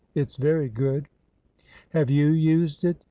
It 's very good." Have you used it